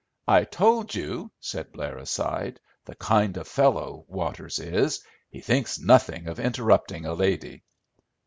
"I told you," said Blair aside, "the kind of fellow Waters is. He thinks nothing of interrupting a lady."